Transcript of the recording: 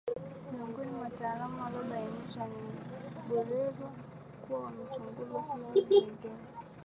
Miongoni mwa wataalamu waliobainishwa na Buberwa kuwa wamechunguza hivyo vipengele